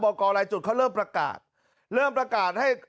กรรายจุดเขาเริ่มประกาศเริ่มประกาศให้